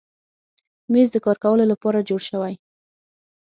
مېز د کار کولو لپاره جوړ شوی.